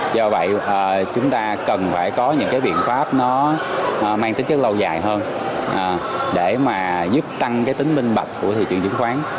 do vậy chúng ta cần phải có những cái biện pháp nó mang tính chất lâu dài hơn để mà giúp tăng cái tính minh bạch của thị trường chứng khoán